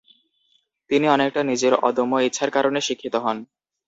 তিনি অনেকটা নিজের অদম্য ইচ্ছার কারণে শিক্ষিত হন।